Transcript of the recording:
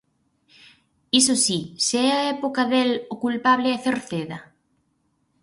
Iso si, se é a época del, ¿o culpable é Cerceda?